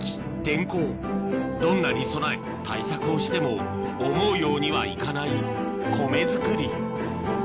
天候どんなに備え対策をしても思うようにはいかない米作り